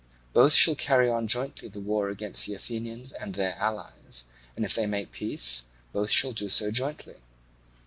Both shall carry on jointly the war against the Athenians and their allies: and if they make peace, both shall do so jointly.